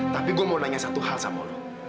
tapi gue mau tanya satu hal sama lu